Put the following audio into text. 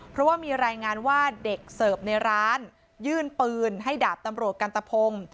เพราะว่ามีรายงานว่าเด็กเสิร์ฟในร้านยื่นปืนให้ดาบตำรวจกันตะพงศ์